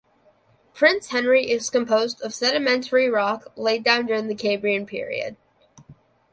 Prince Henry is composed of sedimentary rock laid down during the Cambrian period.